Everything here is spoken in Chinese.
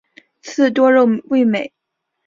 刺多肉味美。